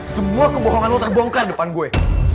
semua kebohongan lo terbongkar depan gue